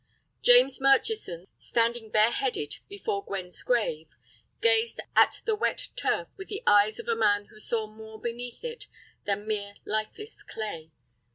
James Murchison, standing bareheaded before Gwen's grave, gazed at the wet turf with the eyes of a man who saw more beneath it than mere lifeless clay.